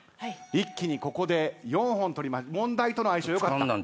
一気にここで４本問題との相性良かった？